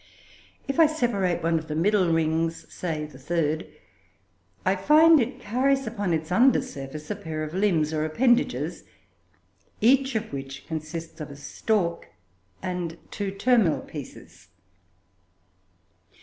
If I separate one of the middle rings, say the third, I find it carries upon its under surface a pair of limbs or appendages, each of which consists of a stalk and two terminal pieces.